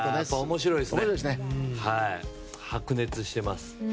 白熱しています。